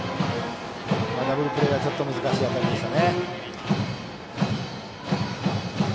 ダブルプレーは難しい当たりでした。